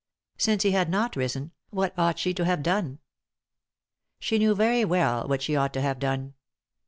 Since he had not risen, what ought she to have done ? She knew very well what she ought to have done.